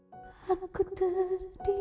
bapak udah selesai